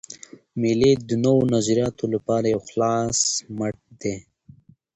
مېلې د نوو نظریاتو له پاره یو خلاص مټ دئ.